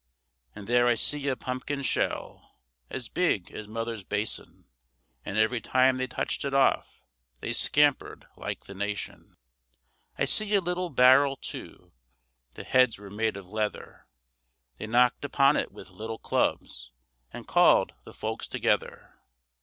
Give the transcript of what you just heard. And there I see a pumpkin shell As big as mother's bason; And every time they touched it off, They scampered like the nation. I see a little barrel, too, The heads were made of leather, They knocked upon 't with little clubs And called the folks together.